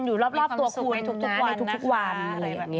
อยู่รอบตัวคุณทุกวัน